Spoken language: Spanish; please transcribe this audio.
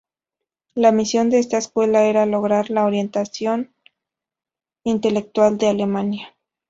La misión de esta escuela era lograr la reorientación intelectual de Alemania.